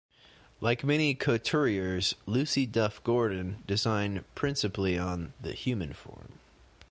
Like many couturiers, Lucy Duff-Gordon designed principally on the human form.